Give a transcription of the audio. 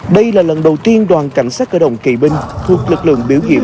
đây là lần đầu tiên đoàn cảnh sát cơ động kỳ binh thuộc lực lượng biểu diễn